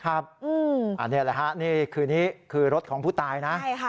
อันนี้แหละค่ะนี่คือรถของผู้ตายนะ